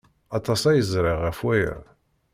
Aṭas ay ẓriɣ ɣef waya.